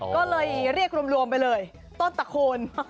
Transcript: ก็เลยเรียกรวมไปเลยต้นตะโคน